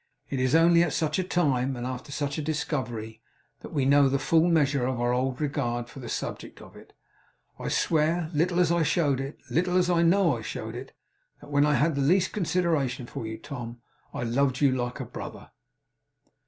It is only at such a time, and after such a discovery, that we know the full measure of our old regard for the subject of it. I swear, little as I showed it little as I know I showed it that when I had the least consideration for you, Tom, I loved you like a brother.